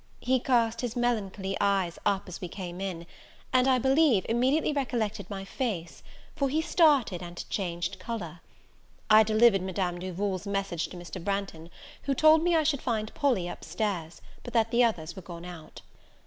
He cast his melancholy eyes up as we came in; and, I believe, immediately recollected my face for he started, and changed colour. I delivered Madame Duval's message to Mr. Branghton, who told me I should find Polly up stairs, but that the others were gone out.